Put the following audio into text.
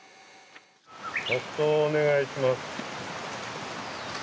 黙とうをお願いします。